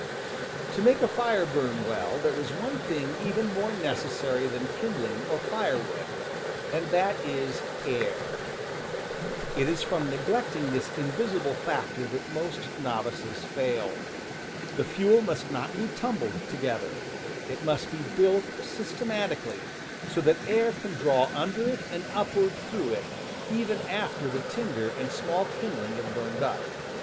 To make a fire burn well there is one thing even more necessary than kindling or firewood, and that is air. TT X o ij It is from neglecting this invisible factor How to Build .,..^. f '^ rjM, e ^„. that most novices tail. Ihe luel must not be tumbled together; it must be built systernatically, so that air can draw under it and upward through it, even after the tinder and small kindling have burned up.